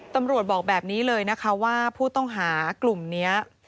ตำรวจบอกแบบนี้เลยนะคะว่าผู้ต้องหากลุ่มนี้